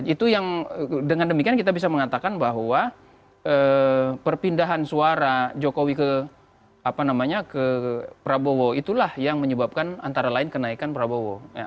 itu yang dengan demikian kita bisa mengatakan bahwa perpindahan suara jokowi ke prabowo itulah yang menyebabkan antara lain kenaikan prabowo